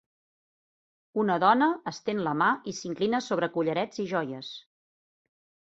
Una dona estén la mà i s'inclina sobre collarets i joies.